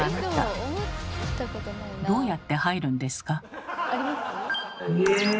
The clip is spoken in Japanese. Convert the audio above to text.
どうやって入るんですか？